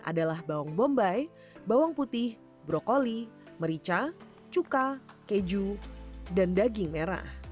adalah bawang bombay bawang putih brokoli merica cuka keju dan daging merah